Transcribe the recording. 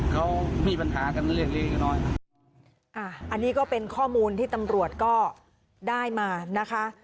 เขามีปัญหากันเล็กเล็กน้อยอ่าอันนี้ก็เป็นข้อมูลที่ตำรวจก็ได้มานะคะ